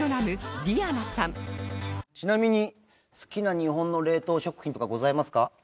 ちなみに好きな日本の冷凍食品とかございますか？